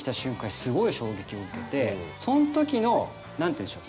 すごい衝撃を受けてそのときの何て言うんでしょう？